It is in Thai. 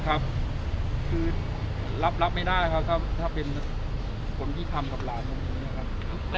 คือรับไม่ได้ครับถ้าเป็นคนที่ทำกับหลานผมนะครับ